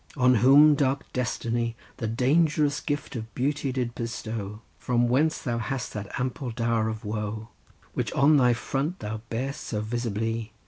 on whom dark Destiny The dangerous gift of beauty did bestow, From whence thou hast that ample dower of wo, Which on thy front thou bear'st so visibly.